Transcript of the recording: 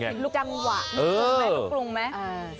จังหวะที่ก็หลายตาปกรุงมั้ย